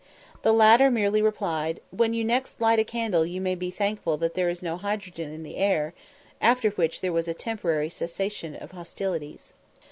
The latter merely replied, "When you next light a candle you may be thankful that there is no hydrogen in the air;" after which there was a temporary cessation of hostilities.